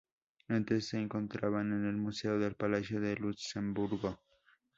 Antes se encontraba en el museo del Palacio de Luxemburgo.